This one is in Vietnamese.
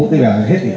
cái kỳ đó từ thực tiễn